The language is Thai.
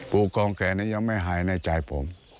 พวกกองแขนยังไม่หายในใจผม